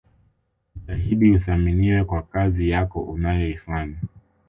Jitahidi uthaminiwe kwa kazi yako unayoifanya